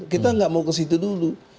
kita nggak mau ke situ dulu